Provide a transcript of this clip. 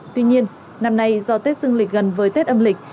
tuy nhiên năm nay do tết dương lịch gần với tết âm lịch